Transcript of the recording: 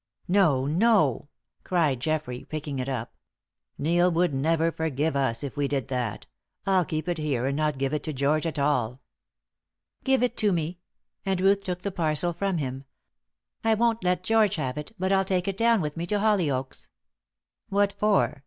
"No, no," cried Geoffrey, picking it up. "Neil would never forgive us if we did that. I'll keep it here and not give it to George at all." "Give it to me," and Ruth took the parcel from him. "I won't let George have it, but I'll take it down with me to Hollyoaks." "What for?"